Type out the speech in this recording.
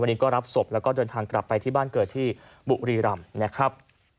วันนี้ก็รับศพแล้วก็เดินทางกลับไปที่บ้านเกิดที่บุรีรำนะครับ